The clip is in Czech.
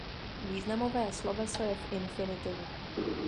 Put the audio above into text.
Významové sloveso je v infinitivu.